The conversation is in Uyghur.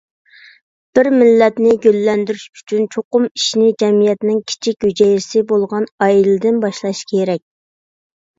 بىر مىللەتنى گۈللەندۈرۈش ئۈچۈن چوقۇم ئىشنى جەمئىيەتنىڭ كىچىك ھۈجەيرىسى بولغان ئائىلىدىن باشلاش كېرەك.